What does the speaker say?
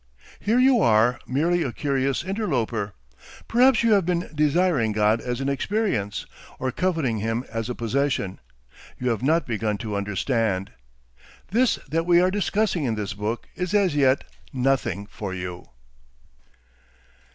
Here you are merely a curious interloper. Perhaps you have been desiring God as an experience, or coveting him as a possession. You have not begun to understand. This that we are discussing in this book is as yet nothing for you.